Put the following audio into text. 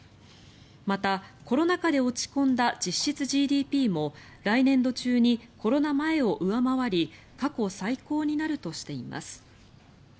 また、コロナ禍で落ち込んだ実質ＧＤＰも来年度中にコロナ前を上回り過去最高になるとしています。